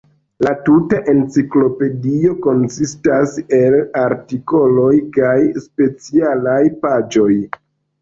La tuta enciklopedio konsistas el artikoloj kaj specialaj paĝoj.